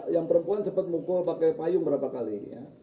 yang perempuan sempat mukul pakai payung berapa kali